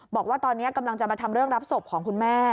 บอกว่าตอนนี้กำลังจะมาทำเรื่องรับศพของคุณแม่